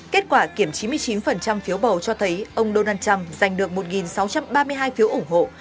kết quả kiểm chín mươi chín phiếu bầu cho thấy ông donald trump giành được một sáu trăm ba mươi hai phiếu ủng hộ